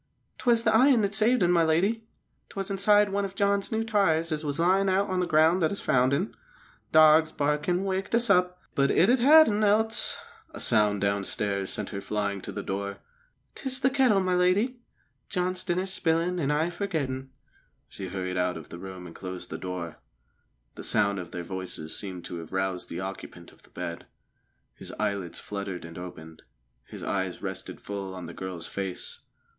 "'Twas th' iron that saved un, my lady. 'Twas inside one of John's new tyres as was lyin' on the ground that us found un. Dogs barkin' wakened us up. But it'd ha' had un, else " A sound downstairs sent her flying to the door. "'Tis the kettle, my lady. John's dinner spilin', an' I forgettin'." She hurried out of the room and closed the door. The sound of their voices seemed to have roused the occupant of the bed. His eyelids fluttered and opened; his eyes rested full on the girl's face.